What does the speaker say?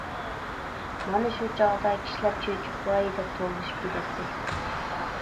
مانا شۇ چاغدا كىشىلەر چۆچۈپ «ۋاي» دەپ توۋلىشىپ كېتەتتى.